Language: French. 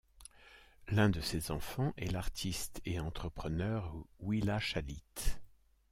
L'un de ses enfants est l'artiste et entrepreneur Willa Shalit.